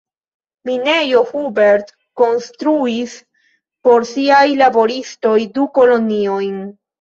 La minejo Hubert konstruis por siaj laboristoj du koloniojn.